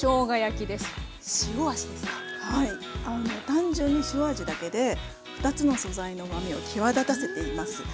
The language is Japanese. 単純に塩味だけで２つの素材のうまみを際立たせています。